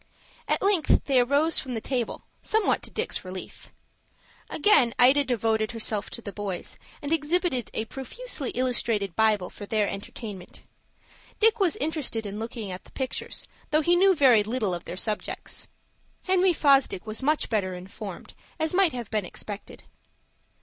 At length they arose from the table, somewhat to Dick's relief. Again Ida devoted herself to the boys, and exhibited a profusely illustrated Bible for their entertainment. Dick was interested in looking at the pictures, though he knew very little of their subjects. Henry Fosdick was much better informed, as might have been expected.